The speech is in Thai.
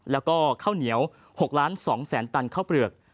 แล้วก็ข้าวเหนียว๖ล้าน๒แสนตันข้าวเปลือก